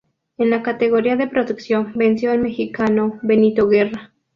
En la categoría de producción venció el mexicano Benito Guerra.